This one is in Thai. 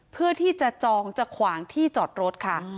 เพื่อที่จะจองจะขวางที่จอดรถค่ะ